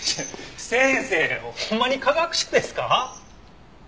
先生ほんまに科学者ですか？